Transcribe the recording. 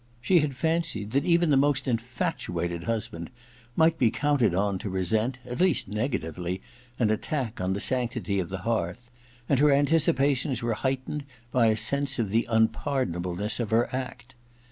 She had fancied that even the most infatuated husband might be counted on to resent, at least negatively, an attack on the sanctity of the hearth ; and her anticipations were heightened by a sense of the unpanionableness of her act.